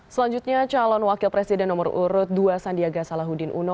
selanjutnya calon wakil presiden nomor urut dua sandiaga salahuddin uno